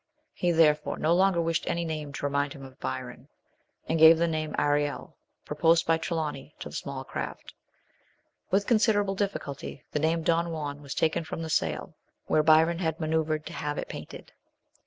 He, therefore, no longer wished any name to remind him of Bvron, and gave the name Ariel, proposed by 11 * 164 MRS. SHELLEY. Trelawny, to the small craft. With considerable diffi culty the name Don Juan was taken from the sail,, where Byron had manoeuvred to have it painted.